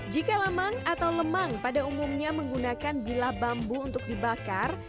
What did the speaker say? jika lamang atau lemang pada umumnya menggunakan bilah bambu untuk dibakar